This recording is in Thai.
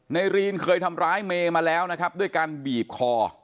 รีนเคยทำร้ายเมย์มาแล้วนะครับด้วยการบีบคอ